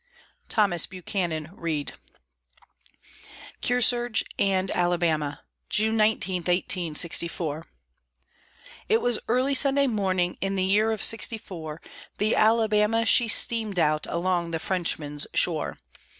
THOMAS BUCHANAN READ. KEARSARGE AND ALABAMA [June 19, 1864] It was early Sunday morning, in the year of sixty four, The Alabama she steam'd out along the Frenchman's shore.